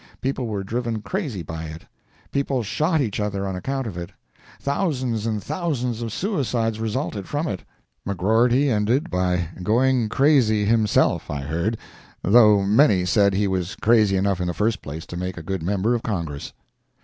People were driven crazy by it—people shot each other on account of it—thousands and thousands of suicides resulted from it. McGrorty ended by going crazy himself, I heard, though many said he was crazy enough in the first place to make a good member of Congress.